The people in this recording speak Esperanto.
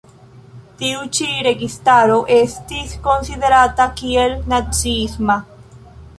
Tiu ĉi registaro estas konsiderata kiel naciisma.